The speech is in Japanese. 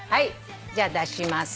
じゃあ出します。